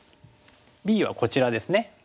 Ｂはこちらですね。